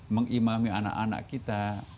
mengimami anak anak kita